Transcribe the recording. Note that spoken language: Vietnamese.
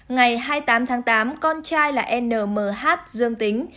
ngày hai mươi tám tháng tám con trai là nm dương tính